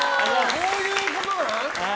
こういうことなの？